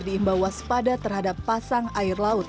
diimbawah sepada terhadap pasang air laut